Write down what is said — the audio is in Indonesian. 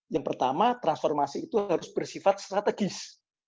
yang pertama transformasi itu harus bersifat strategis